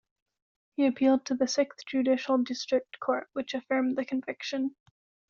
He appealed to the Sixth Judicial District Court, which affirmed the conviction.